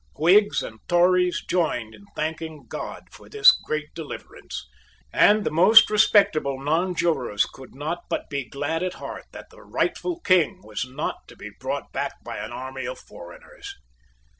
Whigs and Tories joined in thanking God for this great deliverance; and the most respectable nonjurors could not but be glad at heart that the rightful King was not to be brought back by an army of foreigners.